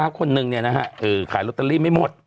คนหนึ่งเนี่ยนะฮะอืมขายลอตเตอริไม่หมด